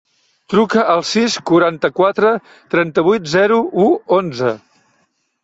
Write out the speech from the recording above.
Truca al sis, quaranta-quatre, trenta-vuit, zero, u, onze.